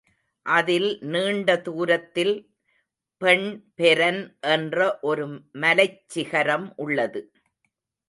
அதில் நீண்ட தூரத்தில் பெண்பெரன் என்ற ஒரு மலைச் சிகரம் உள்ளது.